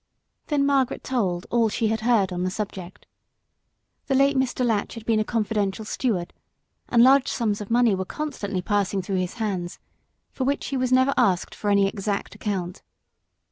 Then Margaret told all she had heard on the subject. The late Mr. Latch had been a confidential steward, and large sums of money were constantly passing through his hands for which he was never asked for any exact account.